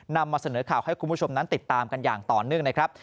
นำมาเสนอข่าวให้คุณผู้ชมนั้นติดตามกันอย่างต่อเนื่องนะครับ